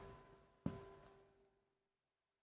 dimana pelakunya adalah satu orang